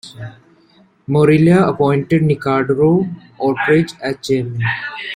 Morelia appointed Nicandro Ortiz as chairman.